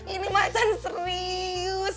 ini macan serius